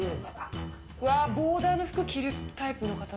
ボーダーの服着るタイプの方だ。